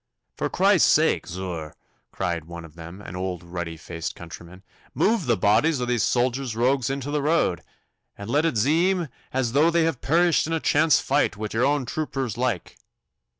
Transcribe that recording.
'For Christ's zake, zur,' cried one of them, an old ruddy faced countryman, 'move the bodies o' these soldier rogues into the road, and let it zeem as how they have perished in a chance fight wi' your own troopers loike.